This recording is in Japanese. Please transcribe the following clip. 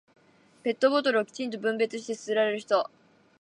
ペットボトルをきちんと分別して捨てられる人。